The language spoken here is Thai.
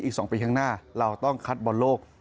อีก๒ปีข้างหน้าเราต้องคัดบอลโลก